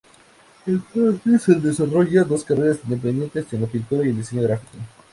Entonces el desarrolla dos carreras independientes: en la pintura y el diseño gráfico.